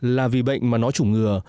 là vì bệnh mà nó chủng ngừa